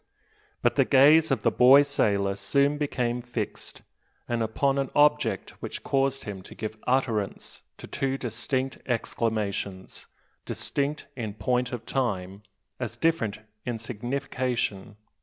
But the gaze of the boy sailor soon became fixed; and upon an object which caused him to give utterance to two distinct exclamations, distinct in point of time, as different in signification.